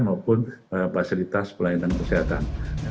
maupun fasilitas pelayanan kesehatan